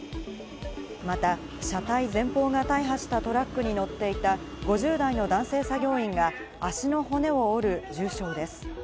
また車体前方が大破したトラックに乗っていた５０代の男性作業員が、足の骨を折る重傷です。